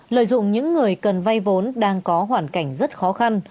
lợi dụng những người cần vay vốn đang có hoàn cảnh rất khó khăn